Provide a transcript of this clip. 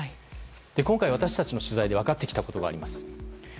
今回、私たちの取材で分かってきたことがあります。